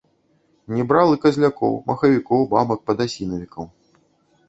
Не браў і казлякоў, махавікоў, бабак, падасінавікаў.